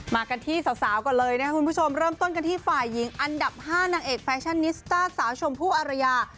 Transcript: มากันที่สาวก่อนเลยนะครับคุณผู้ชมเริ่มต้นกันที่ฝ่ายหญิงอันดับ๕นางเอกแฟชั่นนิสต้าสาวชมพู่อารยา